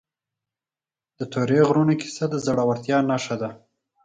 د تورې غرونو کیسه د زړورتیا نښه ده.